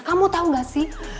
kamu tau gak sih